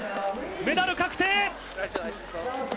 メダル確定！